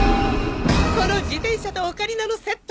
この自転車とオカリナのセット